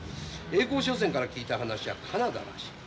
栄光商船から聞いた話じゃカナダらしい。